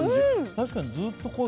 確かにずっと濃い。